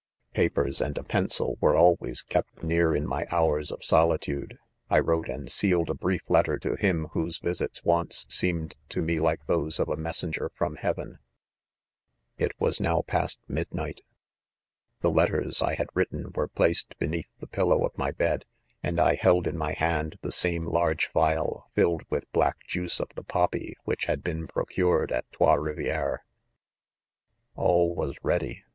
■ 'Papers and : a pencil were always kept near in my hours of solitude 5 J wrote and sealed a brief letter : to him whose visits once seemed to me like those of a messenger from heaven £ It was now past 'midnight $ the' letters I had written were placed beneath the pillow of my feed ; and I held in my hand the same large phial 'filled with black juice of the poppy which had been procured at Trots Rivieres. 4 All was ready.